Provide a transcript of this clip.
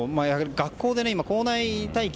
学校で校内待機